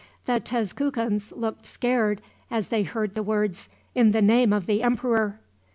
The Tezcucans looked scared as they heard the words, "In the name of the Emperor."